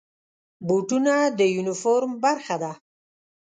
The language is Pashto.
بوټونه د یونیفورم برخه ده.